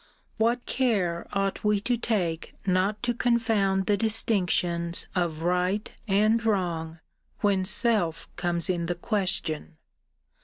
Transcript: What care ought we to take not to confound the distinctions of right and wrong, when self comes in the question!